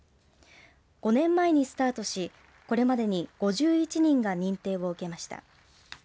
５年前にスタートしこれまでに５１人が認定を受けました。